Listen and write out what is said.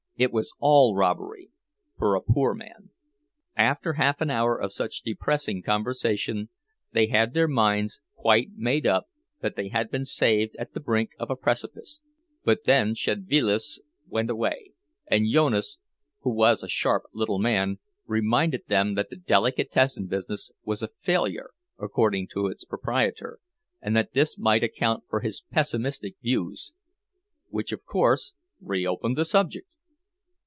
It was all robbery, for a poor man. After half an hour of such depressing conversation, they had their minds quite made up that they had been saved at the brink of a precipice; but then Szedvilas went away, and Jonas, who was a sharp little man, reminded them that the delicatessen business was a failure, according to its proprietor, and that this might account for his pessimistic views. Which, of course, reopened the subject!